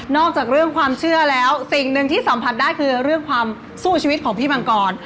จากเรื่องความเชื่อแล้วสิ่งหนึ่งที่สัมผัสได้คือเรื่องความสู้ชีวิตของพี่มังกร